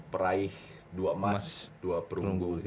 peraih dua emas dua perunggu